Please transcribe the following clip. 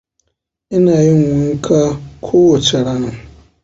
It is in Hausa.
Ina yin wanka ko wacce rana.